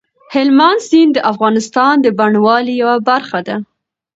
هلمند سیند د افغانستان د بڼوالۍ یوه برخه ده.